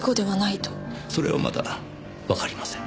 それはまだわかりません。